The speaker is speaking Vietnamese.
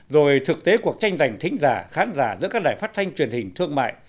rồi thực tế cuộc tranh giành thính giả khán giả giữa các đài phát thanh truyền hình thương mại